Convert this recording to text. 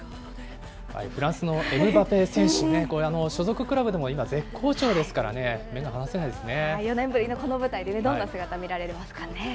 フランスのエムバペ選手ね、所属クラブでも今、絶好調ですか４年ぶりのこの舞台でどんな姿見られますかね。